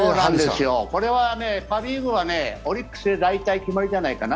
パ・リーグはね、オリックスで大体決まりじゃないかな。